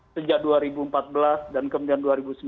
sejak dua ribu empat belas dan kemudian dua ribu sembilan belas